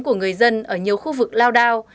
của người dân ở nhiều khu vực lao đao